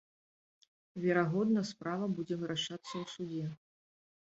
Верагодна, справа будзе вырашацца ў судзе.